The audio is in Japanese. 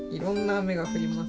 「雨が降ります。